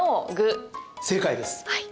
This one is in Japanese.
正解です。